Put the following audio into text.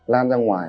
lan ra ngoài